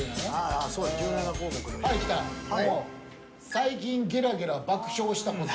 最近、ゲラゲラ爆笑したこと。